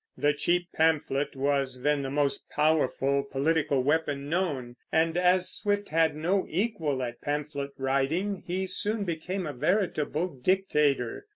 The cheap pamphlet was then the most powerful political weapon known; and as Swift had no equal at pamphlet writing, he soon became a veritable dictator.